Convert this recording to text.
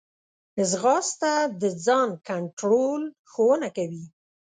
ځغاسته د ځان کنټرول ښوونه کوي